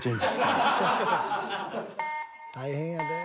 大変やで。